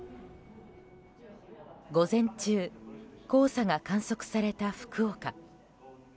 午前中黄砂が観測された福岡。